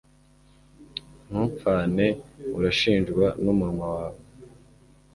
ntumpfane, urashinjwa n'umunwa wawe